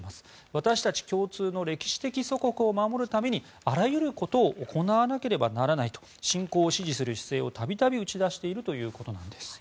私たち共通の歴史的祖国を守るためにあらゆることを行わなければならないと侵攻を支持する姿勢を度々打ち出しているということです。